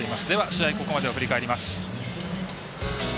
試合、ここまでを振り返ります。